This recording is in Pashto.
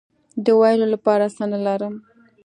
د ویلو لپاره څه نه لرم